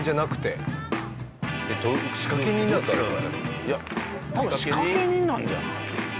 いや多分仕掛け人なんじゃない？